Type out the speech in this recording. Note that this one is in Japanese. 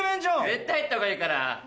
絶対入ったほうがいいから！